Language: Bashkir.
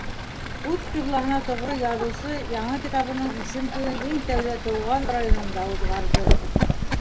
Үҙ ҡиблаһына тоғро яҙыусы яңы китабының исем туйын иң тәүҙә тыуған районында уҙғарҙы.